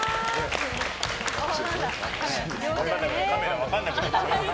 カメラ分かんなくなってる。